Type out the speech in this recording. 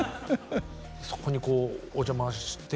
そこにこうお邪魔して。